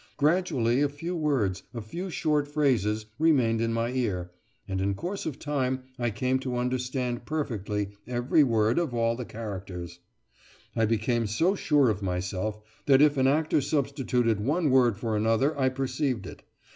Gradually a few words, a few short phrases, remained in my ear, and in course of time I came to understand perfectly every word of all the characters; I became so sure of myself that if an actor substituted one word for another I perceived it.